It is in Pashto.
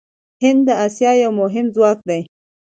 هند د اسیا یو مهم ځواک دی.